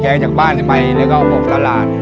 แกงจากบ้านไปแล้วก็เอาอบตลาด